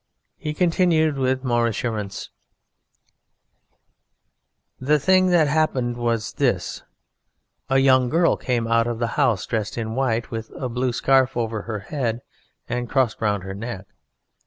He continued with more assurance: "The thing that happened was this: a young girl came out of the house dressed in white, with a blue scarf over her head and crossed round her neck.